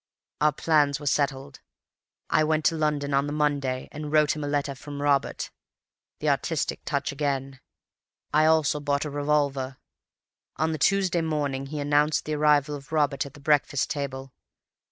"Our plans were settled. I went to London on the Monday and wrote him a letter from Robert. (The artistic touch again.) I also bought a revolver. On the Tuesday morning he announced the arrival of Robert at the breakfast table.